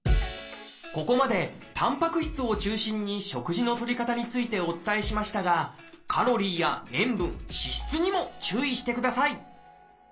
ここまでたんぱく質を中心に食事のとり方についてお伝えしましたがカロリーや塩分脂質にも注意してください！